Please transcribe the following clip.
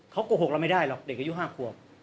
เขาโกหกเราไม่ได้หรอกเด็กอายุ๕ขวบ